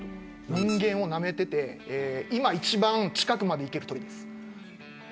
人間をナメていて今一番近くまでいける鳥です。